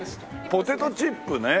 ポテトチップね。